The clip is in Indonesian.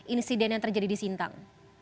insiden yang terjadi di sintang